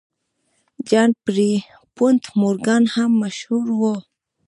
جان پیرپونټ مورګان هم مشهور و.